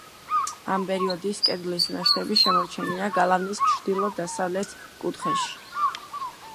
ამ პერიოდის კედლის ნაშთები შემორჩენილია გალავნის ჩრდილო-დასავლეთ კუთხეში.